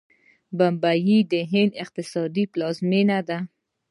ممبۍ د هند اقتصادي پلازمینه ده.